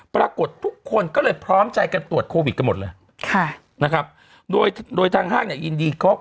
ปรากฏทุกคนก็เลยพร้อมใจกันตรวจโควิดกันหมดเลยนะครับโดยทางห้างยินดีครบ